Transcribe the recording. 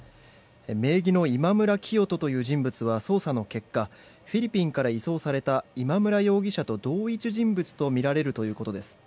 名義のイマムラキヨトという人物は捜査の結果フィリピンから移送された今村容疑者と同一人物とみられるということです。